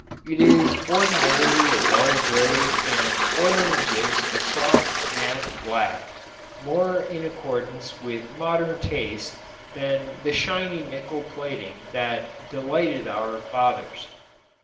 It is ordinarily a dull gray and oiling gives a soft mat black more in accordance with modern taste than the shiny nickel plating that delighted our fathers.